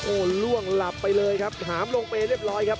โอ้โหล่วงหลับไปเลยครับหามลงไปเรียบร้อยครับ